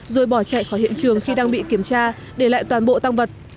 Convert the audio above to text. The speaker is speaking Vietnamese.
rồi bỏ chạy khỏi hiện trường khi đang bị kiểm tra để lại toàn bộ tăng vật